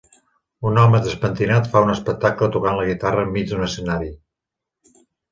Un home despentinat fa un espectacle tocant la guitarra enmig d'un escenari.